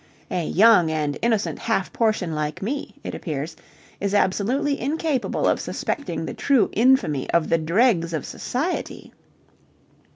A young and innocent half portion like me, it appears, is absolutely incapable of suspecting the true infamy of the dregs of society.